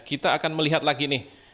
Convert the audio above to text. kita akan melihat lagi nih